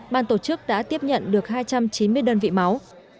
ban tổ chức đã tiếp nhận được hai trăm chín mươi đơn vị máu